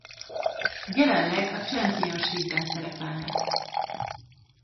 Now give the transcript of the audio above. Jelenleg a Championship-ben szerepelnek.